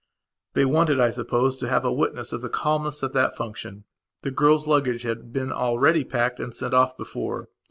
They wanted, I suppose, to have a witness of the calmness of that function. The girl's luggage had been already packed and sent off before.